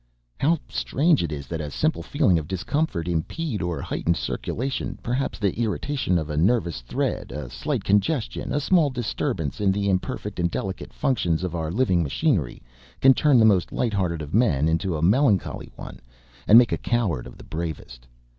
How strange it is that a simple feeling of discomfort, impeded or heightened circulation, perhaps the irritation of a nervous thread, a slight congestion, a small disturbance in the imperfect and delicate functions of our living machinery, can turn the most lighthearted of men into a melancholy one, and make a coward of the bravest!